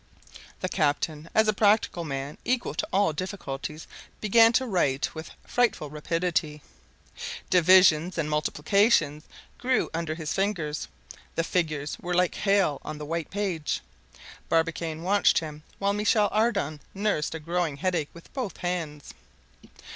The captain, as a practical man equal to all difficulties, began to write with frightful rapidity. Divisions and multiplications grew under his fingers; the figures were like hail on the white page. Barbicane watched him, while Michel Ardan nursed a growing headache with both hands.